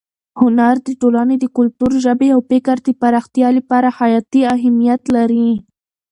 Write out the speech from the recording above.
هنر د ټولنې د کلتور، ژبې او فکر د پراختیا لپاره حیاتي اهمیت لري.